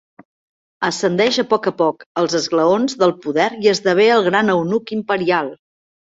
Ascendeix a poc a poc els esglaons del poder i esdevé el gran eunuc imperial.